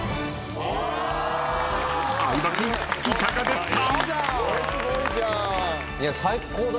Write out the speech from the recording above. ［相葉君いかがですか？］